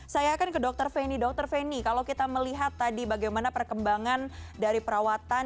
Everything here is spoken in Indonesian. saya akan ke dr feni dr feni kalau kita melihat tadi bagaimana perkembangan dari perawatan